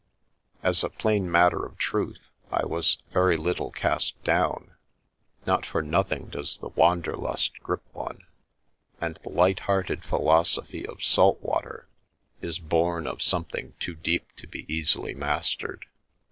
As a plain matter of truth, I was very little cast down — not for nothing does the wander lust grip one ; and the light hearted philosophy of salt water is born of something too deep to be easily mastered.